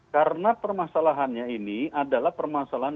karena permasalahannya ini adalah permasalahan